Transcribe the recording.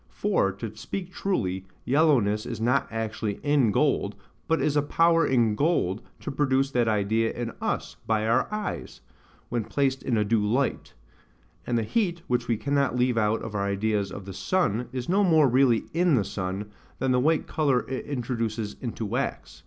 For, to speak truly, yellowness is not actually in gold, but is a power in gold to produce that idea in us by our eyes, when placed in a due light: and the heat, which we cannot leave out of our ideas of the sun, is no more really in the sun, than the white colour it introduces into wax.